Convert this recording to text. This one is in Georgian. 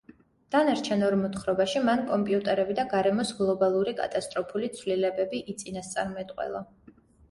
დანარჩენ ორ მოთხრობაში მან კომპიუტერები და გარემოს გლობალური კატასტროფული ცვლილებები იწინასწარმეტყველა.